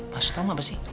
maksud kamu apa sih